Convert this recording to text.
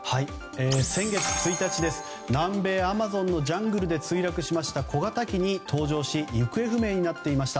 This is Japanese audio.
先月１日南米アマゾンのジャングルで墜落した小型機に搭乗し行方不明になっていました